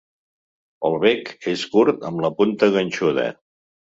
El bec és curt amb la punta ganxuda.